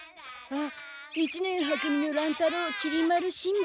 あっ一年は組の乱太郎きり丸しんべヱ。